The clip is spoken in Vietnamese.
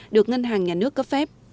được ngân hàng nhà nước cấp phép